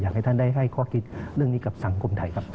ให้ท่านได้ให้ข้อคิดเรื่องนี้กับสังคมไทยครับ